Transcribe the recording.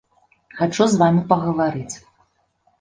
Хачу з вамі пагаварыць!